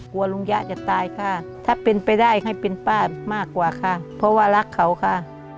ลุงยะจะตายค่ะถ้าเป็นไปได้ให้เป็นป้ามากกว่าค่ะเพราะว่ารักเขาค่ะ